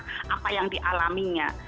tidak masalah apa yang dialaminya